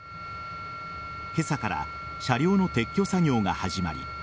今朝から車両の撤去作業が始まり